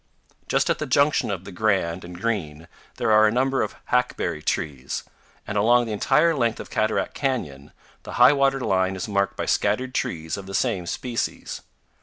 Just at the junction of the Grand and Green there are a number of hackberry trees; and along the entire length of Cataract Canyon the high water line is marked by scattered trees of the same species.